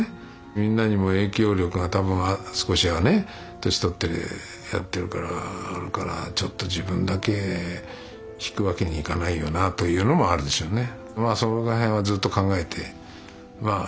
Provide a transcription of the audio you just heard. みんなにも影響力が多分少しはね年取ってやってるからあるからちょっと自分だけ引くわけにいかないよなというのもあるでしょうね。